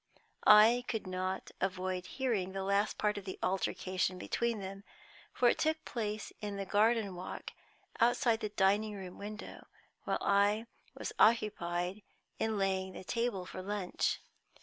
I could not avoid hearing the last part of the altercation between them, for it took place in the garden walk, outside the dining room window, while I was occupied in laying the table for lunch.